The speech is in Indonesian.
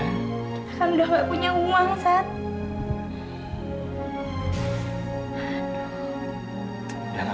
aku udah gak punya uang sat